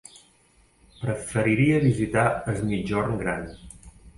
Preferiria visitar Es Migjorn Gran.